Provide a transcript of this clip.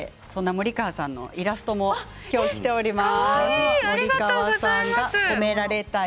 森川さんのイラストも今日きております。